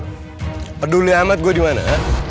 peduli amat gue di mana